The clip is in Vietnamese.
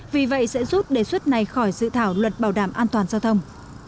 vì vậy sẽ rút đề xuất này khỏi dự thảo luật bảo đảm an toàn giao thông